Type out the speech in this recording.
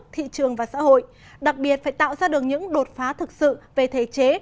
tổng và xã hội đặc biệt phải tạo ra được những đột phá thực sự về thể chế